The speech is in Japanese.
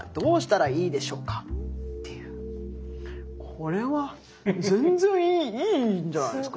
これは全然いいんじゃないですか？